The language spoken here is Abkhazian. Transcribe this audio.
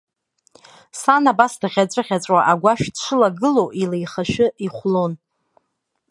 Сан абас дӷьаҵәыӷьаҵәуа агәашә дшылагылоу илеихашәы ихәлон.